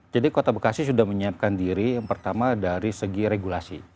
jadi kota bekasi sudah menyiapkan diri yang pertama dari segi regulasi